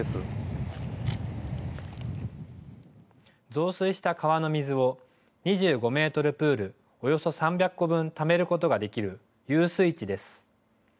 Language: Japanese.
増水した川の水を２５メートルプールおよそ３００個分ためることができる遊水池です。